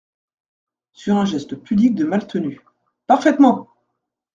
Sur un geste pudique de Maltenu. … parfaitement !…